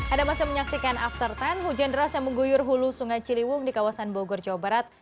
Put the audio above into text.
ada masih menyaksikan after sepuluh hujan deras yang mengguyur hulu sungai ciliwung di kawasan bogor jawa barat